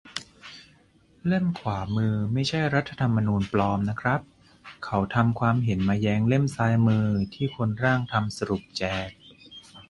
เล่มขวามือไม่ใช่รัฐธรรมนูญปลอมนะครับ เขาทำความเห็นมาแย้งเล่มซ้ายมือที่คนร่างทำสรุปแจก